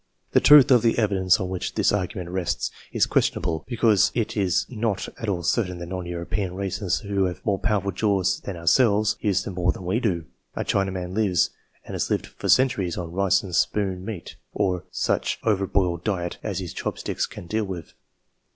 The truth of the ddence on which this argument rests is questionable, jause it is not at all certain that non European races have more powerful jaws than ourselves use them more than we do. A Chinaman lives, and has lived for centuries, on rice and spoon meat, or such over boiled diet as his chopsticks can deal with.